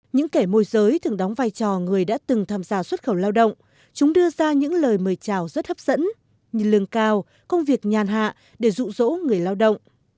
những người dưới thường đóng vai trò người đã từng tham gia xuất khẩu lao động chúng đưa ra những lời mời chào rất hấp dẫn như lương cao công việc nhàn hạ để rụ rỗ người lao động